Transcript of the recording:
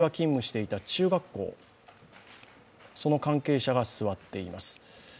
その容疑者である教諭が勤務していた中学校、その関係者が座っています。